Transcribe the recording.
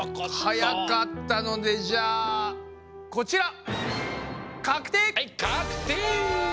はやかったのでじゃあこちらはいかくてい！